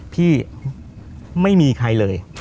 พี่ไม่มีใครเลย